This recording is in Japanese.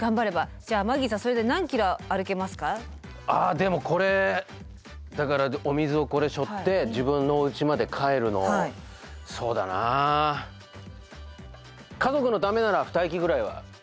じゃあマギーさんそれであでもこれだからお水をこれしょって自分のおうちまで帰るのそうだな家族のためなら２駅ぐらいは歩けるかな。